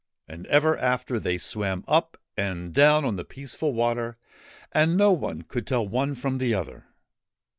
And ever after they swam up and down on the peaceful water and no one could tell one from the other.